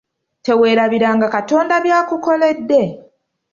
Teweerabiranga Katonda by’akukoledde.